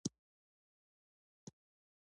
نه يې خبرې کولې او نه هم له کوټې راوته.